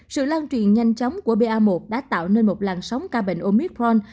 sự lan truyền nhanh chóng của ba một đã tạo nên một làn sóng ca bệnh omitron